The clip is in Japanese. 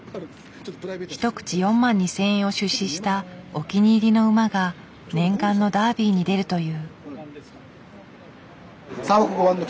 一口４万２，０００円を出資したお気に入りの馬が念願のダービーに出るという。